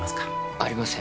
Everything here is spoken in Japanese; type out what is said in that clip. ありません